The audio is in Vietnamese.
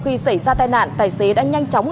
khi xảy ra tai nạn tài xế đã nhanh chóng